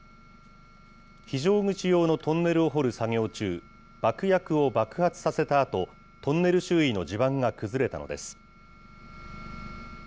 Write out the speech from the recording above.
非常口用のトンネルを掘る作業中、爆薬を爆発させたあと、トンネル周囲の地盤が崩れたのです。